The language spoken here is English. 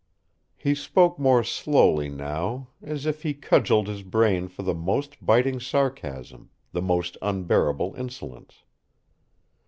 He spoke more slowly now, as if he cudgelled his brain for the most biting sarcasm, the most unbearable insolence.